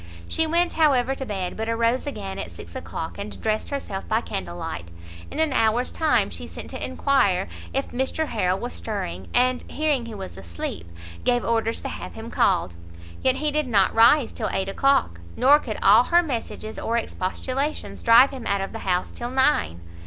She went, however, to bed, but arose again at six o'clock, and dressed herself by candle light. In an hour's time she sent to enquire if Mr Harrel was stirring, and hearing he was asleep, gave orders to have him called. Yet he did not rise till eight o'clock, nor could all her messages or expostulations drive him out of the house till nine.